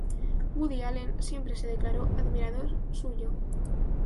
Woody Allen siempre se declaró admirador suyo.